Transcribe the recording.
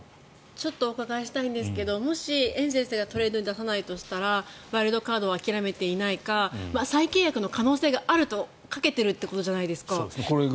ちょっとお伺いしたいんですがもし、エンゼルスがトレードに出さないとしたらワイルドカードを諦めていないか再契約の可能性があるとかけているということじゃないですか。